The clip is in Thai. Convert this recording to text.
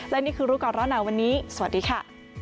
และนี่คือรู้กันแล้วนะวันนี้สวัสดีค่ะ